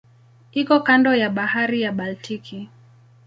Iko kando ya Bahari ya Baltiki.